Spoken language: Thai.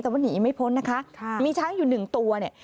แต่ว่าหนีไม่พ้นนะคะมีช้างอยู่หนึ่งตัวเนี่ย